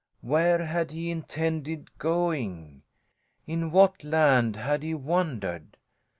Where had he intended going? In what land had he wandered?